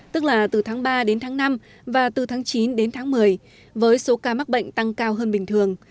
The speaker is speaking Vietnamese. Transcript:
tức là từ tháng ba đến tháng năm và từ tháng chín đến tháng một mươi với số ca mắc bệnh tăng cao hơn bình thường